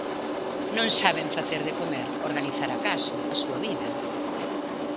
Non saben facer de comer, organizar a casa, a súa vida.